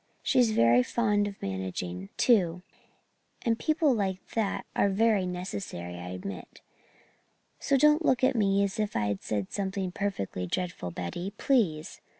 She's very fond of managing, too and people like that are very necessary I admit. So don't look at me as if I'd said something perfectly dreadful, Betty, please.